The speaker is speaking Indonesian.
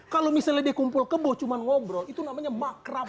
kalau misalnya dia kumpul keboh cuma ngobrol itu namanya makrab